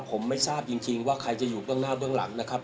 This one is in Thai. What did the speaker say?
ผมไม่ทราบจริงว่าใครจะอยู่ด้านหน้าด้านหลังนะครับ